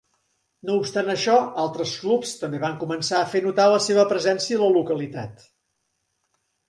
No obstant això, altres clubs també van començar a fer notar la seva presència a la localitat.